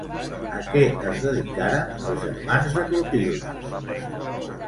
A què es dedicaren els germans de Clotilde?